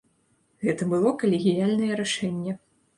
Гэта было калегіяльнае рашэнне.